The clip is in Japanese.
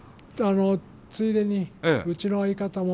ついでにうちの相方も。